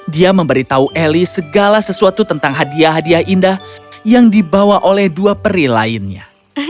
dia memberitahu eli segala sesuatu tentang hadiah hadiah indah yang dibawa oleh dua peri lainnya